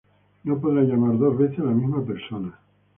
No podrá llamar dos veces a la misma persona.